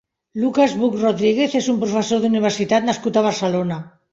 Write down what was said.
Lucas Buch Rodríguez és un professor d'universitat nascut a Barcelona.